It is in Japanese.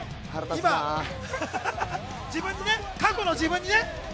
過去の自分にね。